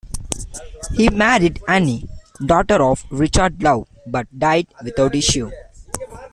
He married Anne, daughter of Richard Love; but died without issue.